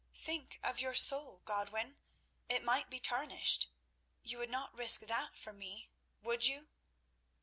"Think of your soul, Godwin. It might be tarnished. You would not risk that for me, would you?"